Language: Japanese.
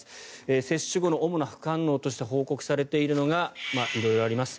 接種後の主な副反応として報告されているのが色々あります。